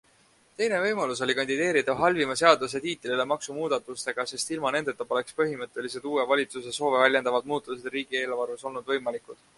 Teine võimalus oli kandideerida halvima seaduse tiitlile maksumuudatustega, sest ilma nendeta poleks põhimõttelised uue valitsuse soove väljendavad muutused riigieelarves olnud võimalikud.